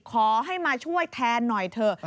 ขอให้มาช่วยแทนหน่อยเถอะ